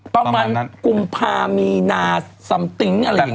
ประมาณกุมภามีนาซัมติ๊งอะไรอย่างนี้